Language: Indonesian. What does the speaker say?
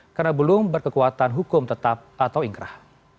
karena belum berkekuatan hukum tetap atau inggrah